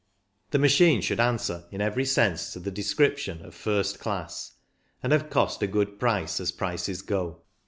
The machine should answer in every sense to the de scription of " first class," and have cost a good price as prices go.